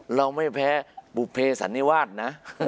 อันนี้เราไม่แพ้บุภาษณ์สันนิวาสนะ